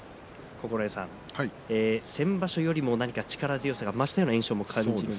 九重さん、先場所よりも何か力強さが増した印象です。